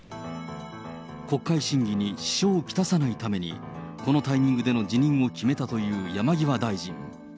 国会審議に支障を来さないために、このタイミングでの辞任を決めたという山際大臣。